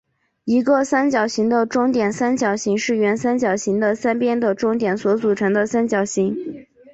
一个三角形的中点三角形是原三角形的三边的中点所组成的三角形。